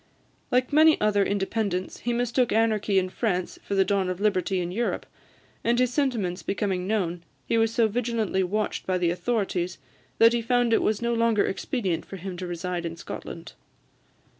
Like many other independents, he mistook anarchy in France for the dawn of liberty in Europe; and his sentiments becoming known, he was so vigilantly watched by the authorities, that he found it was no longer expedient for him to reside in Scotland.